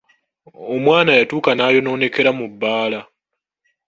Omwana yatuuka n'ayonoonekera mu bbaala.